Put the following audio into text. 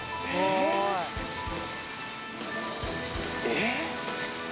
えっ？